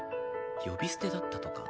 呼び捨てだったとか？